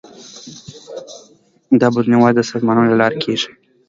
دا بدلون یوازې د سازمانونو له لارې کېږي.